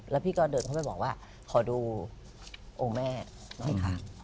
แล้วพี่ก็เดินเข้าไปบอกว่าขอดูองค์แม่หน่อยค่ะ